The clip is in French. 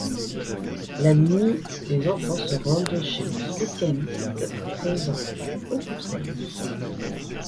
La nuit les enfants se rendent chez le spécialiste présent au conseil.